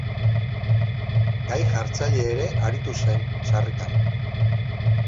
Gai-jartzaile ere aritu zen sarritan.